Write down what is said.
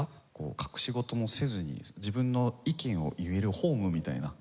隠し事もせずに自分の意見を言えるホームみたいな。